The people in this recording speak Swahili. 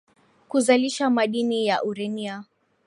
kuzalisha madini ya urenia